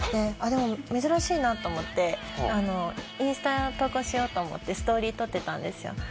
でも珍しいなと思ってインスタ投稿しようと思ってストーリー撮ってたんですよ。